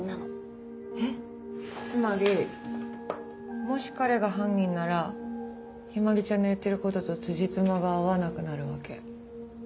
つまりもし彼が犯人なら陽葵ちゃんの言ってる事とつじつまが合わなくなるわけ。